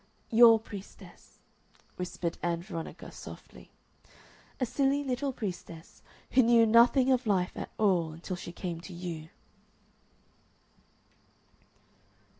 "Your priestess," whispered Ann Veronica, softly. "A silly little priestess who knew nothing of life at all until she came to you."